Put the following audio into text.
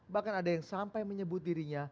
bahkan ada yang sampai menyebut dirinya